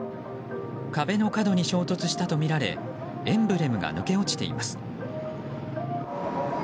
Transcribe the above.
壁の角に衝突したとみられエンブレムが抜け落ちています。